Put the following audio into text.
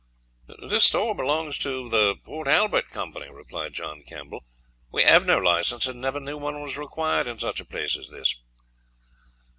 "This store belongs to the Port Albert Company," replied John Campbell. "We have no license, and never knew one was required in such a place as this."